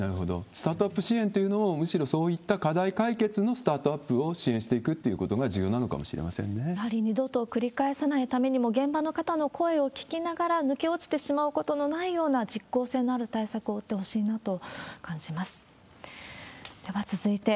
スタートアップ支援というのを、むしろ、そういった課題解決のスタートアップを支援していくということがやはり、二度と繰り返さないためにも、現場の方の声を聞きながら、抜け落ちてしまうことのないような、ロシアは何も失っていない。